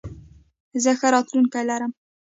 زه ښه راتلونکې لرم.